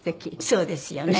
そうですよね。